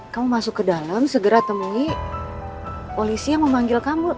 kamu masuk ke dalam segera temui polisi yang memanggil kamu